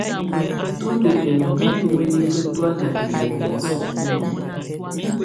Tú ndɔ́ bɛlɔŋga bɛ mǝnifǝ tɔ̀ána ǝlimǝ yɛ sukulu.